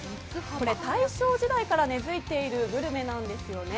これ、大正時代から根づいているグルメなんですよね。